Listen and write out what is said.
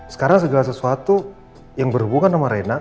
sekarang segala sesuatu yang berhubungan sama rena